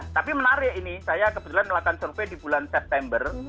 tapi menarik ini saya kebetulan melakukan survei di bulan september